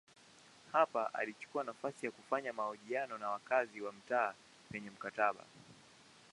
Hapa alichukua nafasi ya kufanya mahojiano na wakazi wa mtaa penye maktaba.